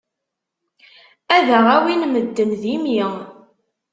Ad aɣ-awin medden d imi.